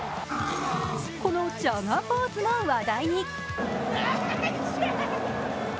このジャガーポーズも話題に。